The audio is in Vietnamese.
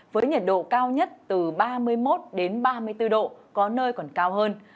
với nhiệt độ cao nhất từ ba mươi một ba mươi bốn độ có nơi còn cao hơn